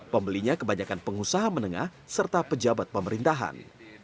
pembelinya kebanyakan pengusaha menengah serta pejabat pemerintahan